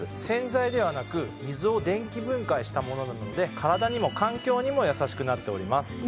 洗剤ではなく水を電気分解したものなので体にも環境にも優しくなっております。